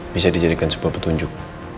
bisa dijadikan sebuah petunjuk